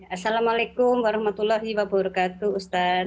assalamualaikum warahmatullahi wabarakatuh ustadz